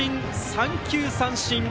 三球三振。